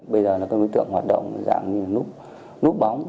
bây giờ là cái nguyên tượng hoạt động dạng như là núp bóng